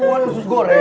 gue keluar lo sus goreng